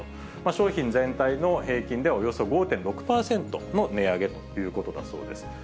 商品全体の平均でおよそ５．６％の値上げということだそうです。